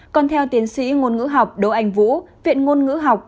còn theo tiến sĩ ngôn ngữ học đỗ anh vũ viện ngôn ngữ học